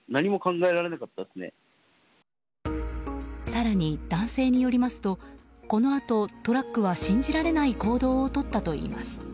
更に、男性によりますとこのあとトラックは信じられない行動をとったといいます。